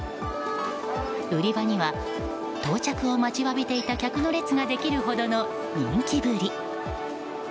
売り場には到着を待ちわびていた客の列ができるほどの人気ぶり。